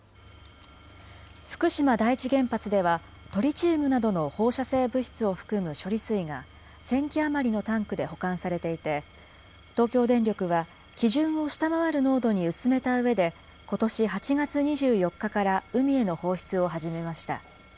福島第一原発では、トリチウムなどの放射性物質を含む処理水が１０００基余りのタンクで保管されていて、東京電力は、基準を下回る濃度に薄めたうえで、ことし８月２４日から海への放出を始めました。